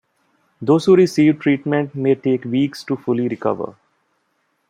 Those who receive treatment may take weeks to fully recover.